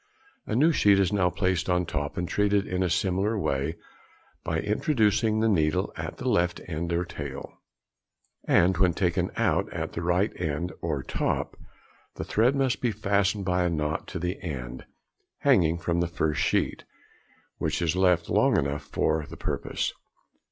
A new sheet is now placed on the top, and treated in a similar way, by introducing the needle at the left end or tail; and when taken out at the right end or top, the thread must be fastened by a knot to the end, hanging from the first sheet, which is left long enough for the purpose.